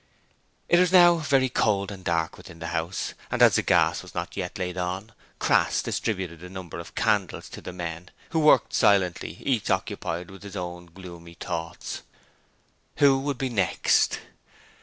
It was now very cold and dark within the house, and as the gas was not yet laid on, Crass distributed a number of candles to the men, who worked silently, each occupied with his own gloomy thoughts. Who would be the next?